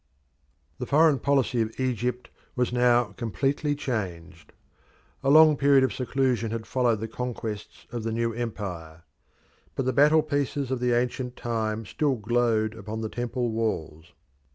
The foreign policy of Egypt was now completely changed. A long period of seclusion had followed the conquests of the new empire. But the battle pieces of the ancient time still glowed upon the temple walls.